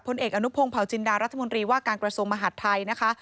เอกอนุพงศ์เผาจินดารัฐมนตรีว่าการกระทรวงมหาดไทยนะคะ